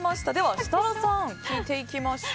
設楽さん、聞いていきましょう。